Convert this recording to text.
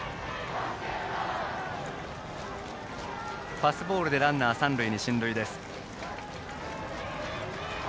パスボールでランナー、三塁に進塁。